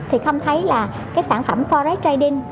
thì không thấy là cái sản phẩm forex trading